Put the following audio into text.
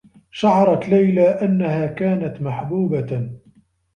شعرت ليلى أنّها كانت محبوبة.